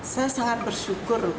saya sangat bersyukur